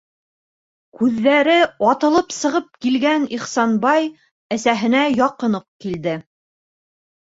- Күҙҙәре атылып сығып килгән Ихсанбай әсәһенә яҡын уҡ килде.